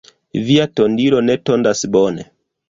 Via tondilo ne tondas bone.